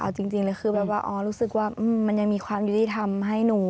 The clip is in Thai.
เอาจริงเลยคือแบบว่าอ๋อรู้สึกว่ามันยังมีความยุติธรรมให้หนู